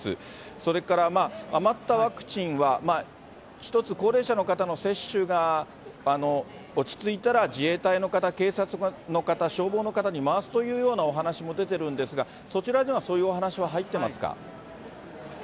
それから余ったワクチンは、ひとつ高齢者の方の接種が落ち着いたら、自衛隊の方、警察の方、消防の方に回すというようなお話も出てるんですが、そちらにはそういうお話は入ってますか？